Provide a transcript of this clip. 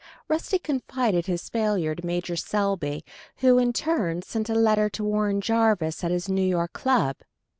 Rusty confided his failure to Major Selby, who in turn sent a letter to Warren Jarvis at his New York club.